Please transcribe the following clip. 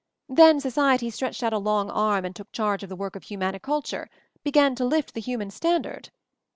Then Society stretched out a long arm and took charge of the work of humaniculture — began to lift the human standard.